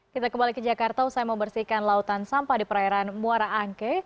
kita kembali ke jakarta usai membersihkan lautan sampah di perairan muara angke